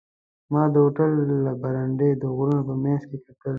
ما د هوټل له برنډې د غرونو په منځ کې کتل.